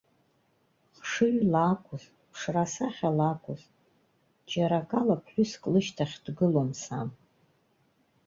Хшыҩла акәыз, ԥшра-сахьала акәыз, џьара акала ԥҳәыск лышьҭахь дгылом сан.